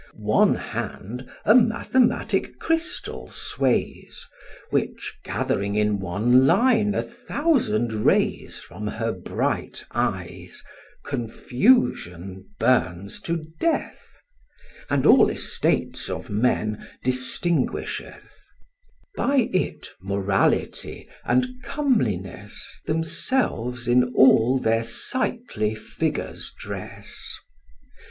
One hand a mathematic crystal sways, Which, gathering in one line a thousand rays From her bright eyes, Confusion burns to death, And all estates of men distinguisheth: By it Morality and Comeliness Themselves in all their sightly figures dress.